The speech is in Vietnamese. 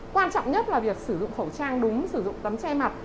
quan trọng nhất là việc sử dụng khẩu trang đúng sử dụng tấm che mặt